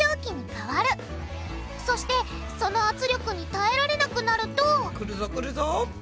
そしてその圧力に耐えられなくなるとくるぞくるぞ！